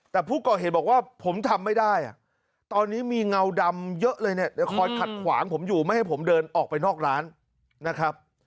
แต่ผู้ก่อเหตุบอกว่าผมทำไม่ได้ตอนนี้มีเงาดำเยอะเลยเนี่ยคอยขัดขวางผมอยู่ไม่ให้ผมเดินออกไปนอกร้านนะครับ